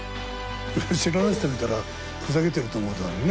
知らない人見たらふざけてると思うだろうね。